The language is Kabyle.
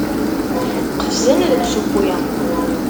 Qefzen deg usewwi.